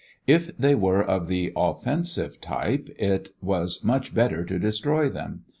If they were of the offensive type, it was much better to destroy them.